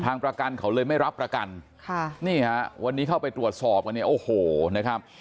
ประกันเขาเลยไม่รับประกันค่ะนี่ฮะวันนี้เข้าไปตรวจสอบกันเนี่ยโอ้โหนะครับ